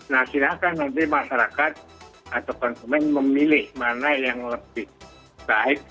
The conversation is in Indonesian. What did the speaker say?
nah silahkan nanti masyarakat atau konsumen memilih mana yang lebih baik